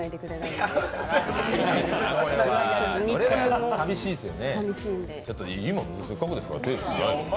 それは寂しいですよね。